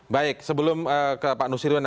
baik sebelum pak nusriwan